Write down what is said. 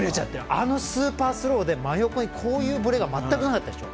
あのスーパースローで真横に、こういうぶれが全くなかったでしょ。